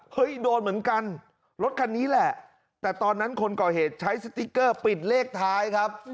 โดนเหมือนกันรถคันนี้แหละแต่ตอนนั้นคนก่อเหตุใช้สติ๊กเกอร์ปิดเลขท้ายครับ